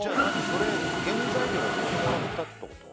それ原材料を送ってもらったってこと？